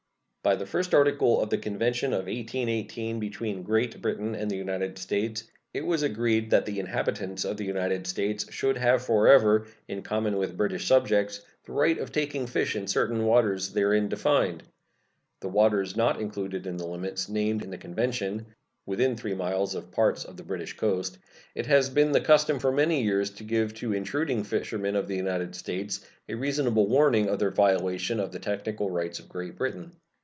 By the first article of the convention of 1818 between Great Britain and the United States it was agreed that the inhabitants of the United States should have forever, in common with British subjects, the right of taking fish in certain waters therein defined. In the waters not included in the limits named in the convention (within 3 miles of parts of the British coast) it has been the custom for many years to give to intruding fishermen of the United States a reasonable warning of their violation of the technical rights of Great Britain.